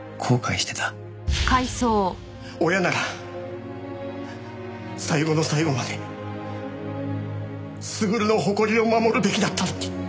親なら最後の最後まで優の誇りを守るべきだったのに。